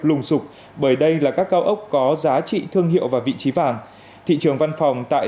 lùng sụp bởi đây là các cao ốc có giá trị thương hiệu và vị trí vàng thị trường văn phòng tại